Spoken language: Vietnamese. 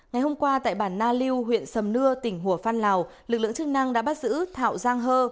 ngày hôm qua tại bản na lưu huyện sầm nưa tỉnh hùa phan lào lực lượng chức năng đã bắt giữ thảo giang hơ